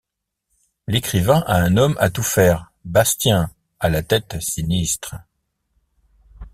L'écrivain a un homme-à-tout-faire, Bastien, à la tête sinistre.